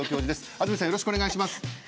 安住さんよろしくお願いします。